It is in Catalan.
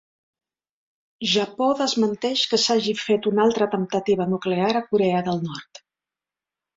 Japó desmenteix que s'hagi fet una altra temptativa nuclear a Corea del Nord